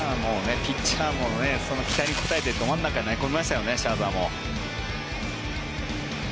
ピッチャーもその期待に応えてど真ん中に投げ込みましたよねシャーザーも。